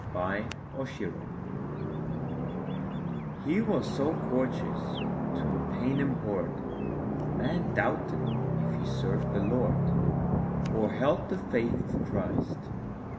XXX THE KNIGHT HE was so courteous to the paynim horde, Men doubted if he served the Lord Or held the faith of Christ.